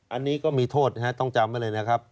อันนี้ก็มีโทษนะฮะต้องจำไว้เลยนะครับ